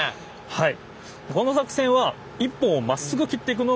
はい。